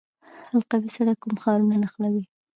حلقوي سړک کوم ښارونه نښلوي؟